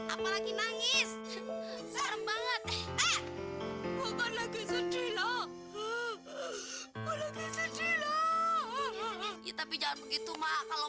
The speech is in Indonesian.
apalagi nangis serem banget eh bukan lagi sedih loh lagi sedih loh tapi jangan begitu mah kalau